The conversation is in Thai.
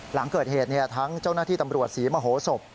หลังเกิดเหตุทั้งเจ้าหน้าที่ตำรวจศรีมโหศพ